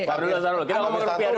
pak rudi tasarul kita ngomong rupiah dulu